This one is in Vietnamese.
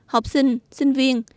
học sinh sinh viên